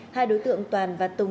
hai đối tượng toàn và tùng